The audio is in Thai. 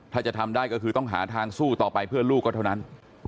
ถ้าจะทำได้ก็คือต้องหาทางสู้ต่อไปเพื่อลูกก็เท่านั้น